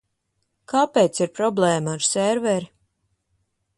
Kāpēc ir problēma ar serveri?